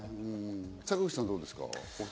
坂口さん、どうですか？